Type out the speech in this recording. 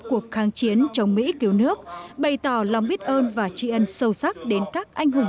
cuộc kháng chiến chống mỹ cứu nước bày tỏ lòng biết ơn và tri ân sâu sắc đến các anh hùng